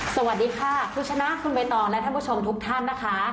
สวัสดีค่ะคุณชนะคุณใบตองและท่านผู้ชมทุกท่านนะคะ